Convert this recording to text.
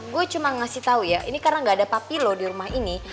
gue cuma ngasih tahu ya ini karena gak ada papi loh di rumah ini